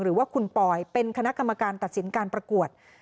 หรือว่าคุณปอยเป็นคณะกรรมการตัดสินการประกวด